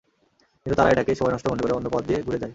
কিন্তু তারা এটাকে সময় নষ্ট মনে করে অন্য পথ দিয়ে ঘুরে যায়।